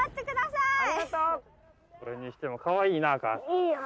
いいよ！